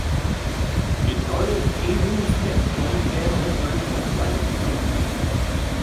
Guitarist Adrian Smith joins the band on this version of "Running Free".